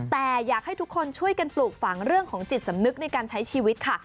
แต่อยากให้ทุกคนช่วยกันปลูกฝังเรื่องของจิตสำนึกในการใช้ชีวิตค่ะ